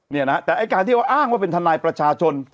เนี่ยนะฮะแต่ไอ้การที่ว่าอ้างว่าเป็นทนายประชาชน